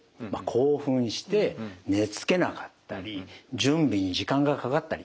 興奮して寝つけなかったり準備に時間がかかったり。